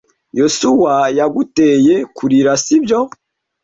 Yosuwa yaguteye kurira, sibyo?